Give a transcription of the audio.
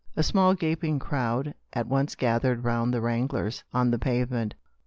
A small gaping crowd at once gathered round the wranglers on the pave ment.